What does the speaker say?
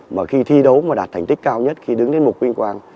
mà khi thi đấu mà đạt thành tích cao nhất khi đứng lên mục vinh quang